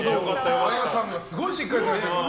あやさんがすごくしっかりされてる。